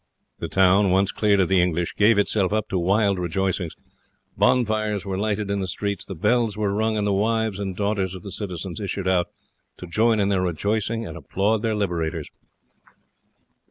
The town, once cleared of the English, gave itself up to wild rejoicings; bonfires were lighted in the streets, the bells were rung, and the wives and daughters of the citizens issued out to join in their rejoicing and applaud their liberators.